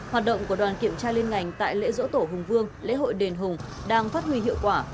hoạt động của đoàn kiểm tra liên ngành tại lễ dỗ tổ hùng vương lễ hội đền hùng đang phát huy hiệu quả